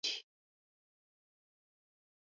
We Punk Einheit!